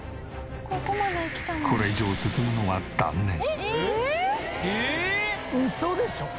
これ以上進むのは断念。